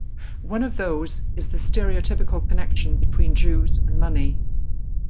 One of those is the stereotypical connection between Jews and money.